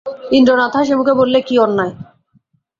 ইন্দ্রনাথ হাসিমুখে বললে, কী অন্যায়?